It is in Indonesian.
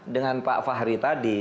dengan pak fahri tadi